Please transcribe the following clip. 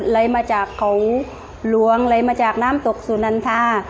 ไหลมาจากเขาหลวงอะไรมาจากน้ำตกสุนันทา